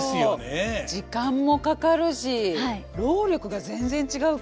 時間もかかるし労力が全然違うから。